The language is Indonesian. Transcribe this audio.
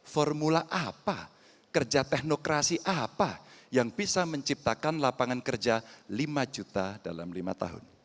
formula apa kerja teknokrasi apa yang bisa menciptakan lapangan kerja lima juta dalam lima tahun